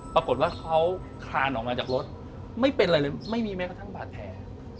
ปรากฏว่าเขาคลานออกมาจากรถไม่เป็นอะไรเลยไม่มีแม้กระทั่งบาดแผล